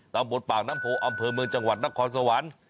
ตามบทปากนังโผอำเภอเมืองจังหวัดนักความสวรรค์